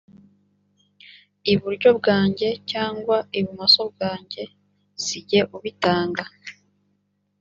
iburyo bwanjye cyangwa ibumoso bwanjye si jye ubitanga